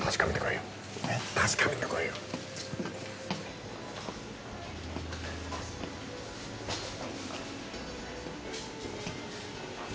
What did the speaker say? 確かめてこいよえッ？